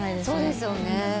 そうですよね。